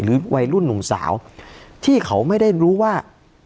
วัยรุ่นหนุ่มสาวที่เขาไม่ได้รู้ว่า